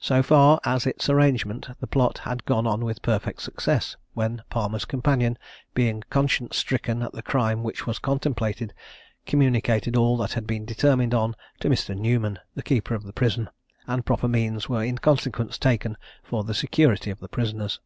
So far as its arrangement, the plot had gone on with perfect success, when Palmer's companion, being conscience stricken at the crime which was contemplated, communicated all that had been determined on to Mr. Newman, the keeper of the prison, and proper means were in consequence taken for the security of the prisoners.